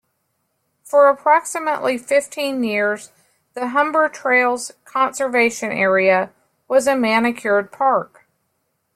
For approximately fifteen years the Humber Trails Conservation Area was a manicured Park.